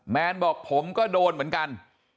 แนนบอกผมก็โดนเหมือนกัน